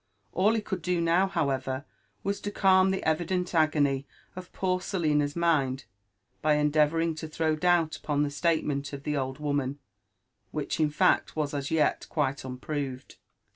All he could dow do. however, was to calm the evident agony of poor Selina'i asind by endeaTOuribg to th^w doobl upon the sCatemeiit of the old woimb, which in fact was as yet quite unpkx>ved.